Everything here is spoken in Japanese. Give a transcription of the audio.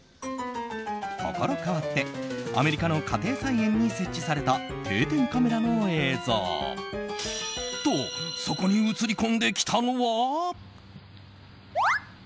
ところ変わってアメリカの家庭菜園に設置された定点カメラの映像。と、そこに映り込んできたのは。